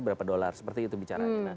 berapa dolar seperti itu bicaranya